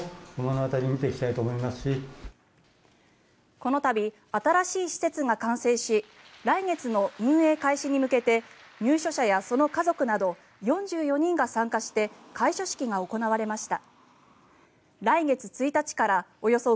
この度新しい施設が完成し来月の運営開始に向けて入所者やその家族など４４人が参加して開所式が行われました。